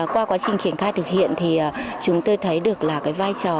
qua quá trình triển khai thực hiện thì chúng tôi thấy được là cái vai trò